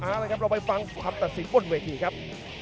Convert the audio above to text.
เอาละครับเราไปฟังคำตัดสินบนเวทีครับ